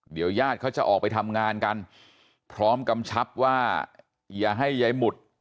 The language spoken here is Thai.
เดี๋ยวญาติเขาจะออกไปทำงานกันพร้อมกำชับว่าอย่าให้ยายหมุด